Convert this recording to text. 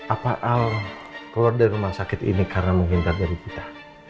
apa al keluar dari rumah sakit ini karena menghindar dari kita